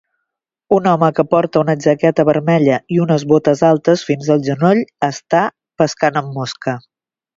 Un home que porta una jaqueta vermella i unes botes altes fins el genoll està pescant amb mosca.